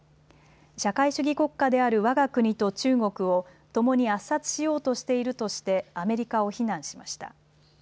社会主義国家であるわが国と中国をともに圧殺しようとしているとしてアメリカを非難しました。